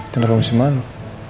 tentang kamu sih malu